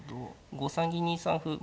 ５三銀２三歩まあ